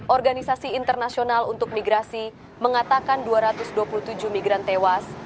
organisasi internasional untuk migrasi mengatakan dua ratus dua puluh tujuh migran tewas